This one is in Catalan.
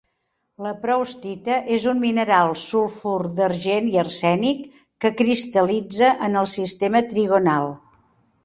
La proustita és un mineral sulfur d'argent i arsènic que cristal·litza en el sistema trigonal.